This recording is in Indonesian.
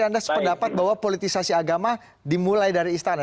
anda sependapat bahwa politisasi agama dimulai dari istana